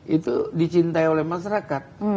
itu dicintai oleh masyarakat